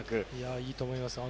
いいと思います。